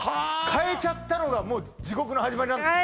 変えちゃったのがもう地獄の始まりなんですね？